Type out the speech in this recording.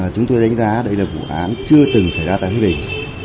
chúng tôi đánh giá đây là vụ án chưa từng xảy ra tại thái bình